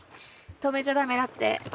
止めちゃダメだって。